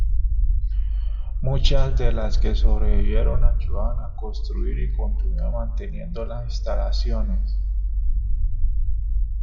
Muchas de las que sobrevivieron ayudaron a construir y continúan manteniendo las instalaciones.